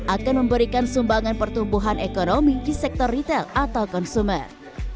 akan memberikan sumbangan pertumbuhan ekonomi di sektor retail atau konsumen